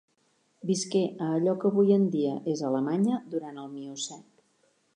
Visqué a allò que avui en dia és Alemanya durant el Miocè.